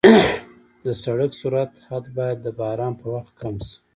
د سړک سرعت حد باید د باران په وخت کم شي.